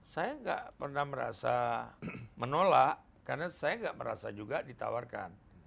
saya nggak pernah merasa menolak karena saya nggak merasa juga ditawarkan